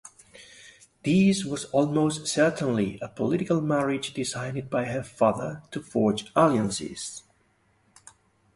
This was almost certainly a political marriage designed by her father to forge alliances.